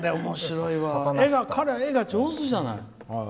彼は絵が上手じゃない。